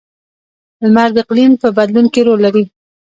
• لمر د اقلیم په بدلون کې رول لري.